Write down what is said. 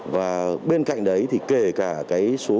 và bên cạnh đấy thì kể cả cái số